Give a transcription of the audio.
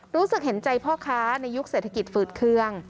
รู้สึกเห็นใจพ่อค้าในยุคเศรษฐกิจฝืดเครื่อง